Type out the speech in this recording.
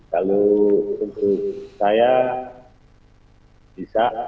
kalau untuk saya bisa